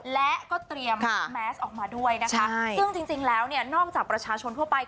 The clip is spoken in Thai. และก็เตรียมแมสออกมาด้วยนะคะซึ่งจริงแล้วเนี่ยนอกจากประชาชนทั่วไป